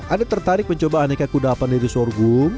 ada tertarik mencoba aneka kuda apan dari sorghum